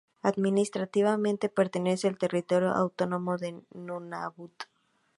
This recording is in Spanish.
Administrativamente, pertenece al Territorio Autónomo de Nunavut.